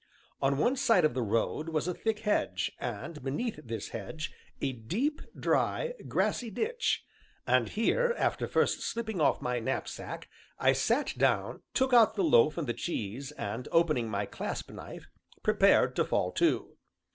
On one side of the road was a thick hedge, and, beneath this hedge, a deep, dry, grassy ditch; and here, after first slipping off my knapsack, I sat down, took out the loaf and the cheese, and opening my clasp knife, prepared to fall to.